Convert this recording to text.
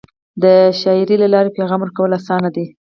د شاعری له لارې پیغام ورکول اسانه دی.